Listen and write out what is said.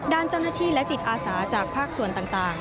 ด้านเจ้าหน้าที่และจิตอาสาจากภาคส่วนต่าง